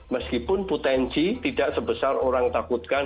meskipun potensi tidak sebesar orang takutkan